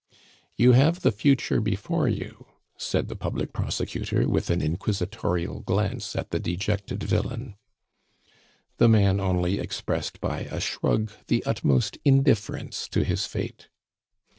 "You have the future before you," said the public prosecutor, with an inquisitorial glance at the dejected villain. The man only expressed by a shrug the utmost indifference to his fate.